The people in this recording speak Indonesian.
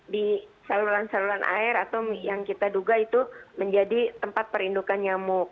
di saluran saluran air atau yang kita duga itu menjadi tempat perindukan nyamuk